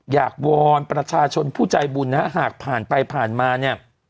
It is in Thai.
วอนประชาชนผู้ใจบุญนะฮะหากผ่านไปผ่านมาเนี่ย